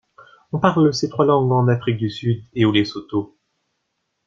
On parle ces trois langues en Afrique du Sud et au Lesotho.